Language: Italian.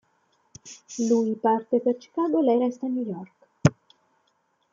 Lui parte per Chicago, lei resta a New York.